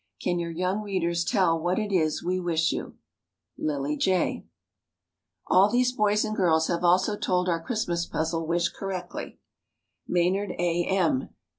Can your young readers tell what it is we wish you? LILLIE J. All these boys and girls have also told our Christmas Puzzle wish correctly: Maynard A. M.